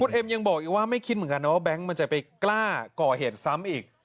เอ็มยังบอกอีกว่าไม่คิดเหมือนกันนะว่าแบงค์มันจะไปกล้าก่อเหตุซ้ำอีก